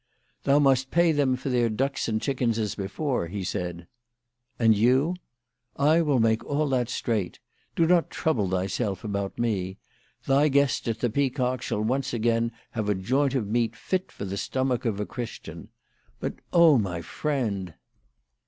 " Thou must pay them for their ducks and chickens as before/' he said. " And you ?" "I will make all that straight. Do not trouble thyself about me. Thy guests at the Peacock shall once again have a joint of meat fit for the stomach of a Christian. But, my friend